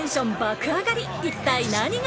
一体何が？